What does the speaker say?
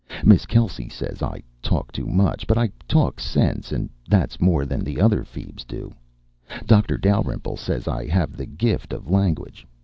Miss Kelsey says I talk too much. But I talk sense, and that's more than the other feebs do. Dr. Dalrymple says I have the gift of language.